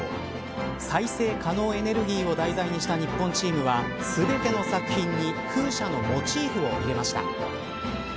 再生可能エネルギーを題材にした日本チームは全ての作品に風車のモチーフを入れました。